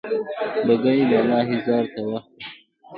بګۍ بالا حصار ته وخته.